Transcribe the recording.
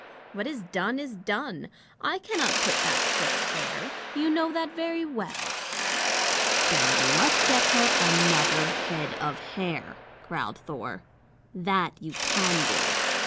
What is done, is done. I cannot put back Sif's hair. You know that very well." "Then you must get her another head of hair," growled Thor. "That you can do.